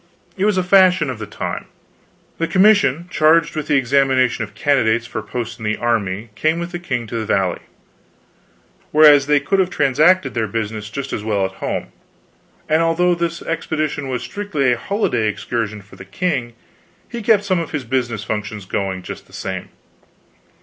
It was a fashion of the time. The Commission charged with the examination of candidates for posts in the army came with the king to the Valley, whereas they could have transacted their business just as well at home. And although this expedition was strictly a holiday excursion for the king, he kept some of his business functions going just the same.